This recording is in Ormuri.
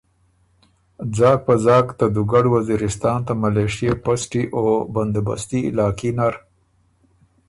ځاک په ځاک ته دُوګډ وزیرستان ته ملېشئے پسټی او بندوبستي علاقي نر